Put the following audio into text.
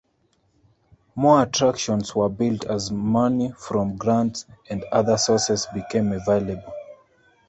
More attractions were built as money from grants and other sources became available.